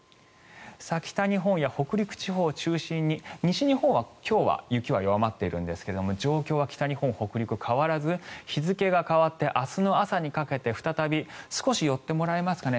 北日本や北陸地方を中心に西日本は今日は雪は弱まっているんですが状況は北日本、北陸変わらず日付が変わって明日の朝にかけて再び少し寄ってもらえますかね。